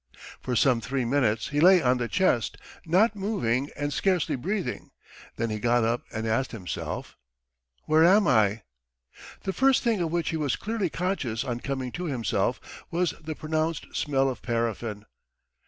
For some three minutes he lay on the chest, not moving and scarcely breathing, then he got up and asked himself: "Where am I?" The first thing of which he was clearly conscious on coming to himself was the pronounced smell of paraffin.